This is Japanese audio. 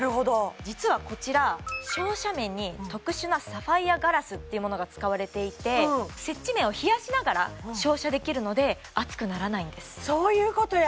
実はこちら照射面に特殊なサファイアガラスっていうものが使われていて接地面を冷やしながら照射できるので熱くならないんですそういうことや！